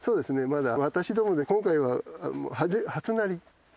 まだ私どもで今回は初なり。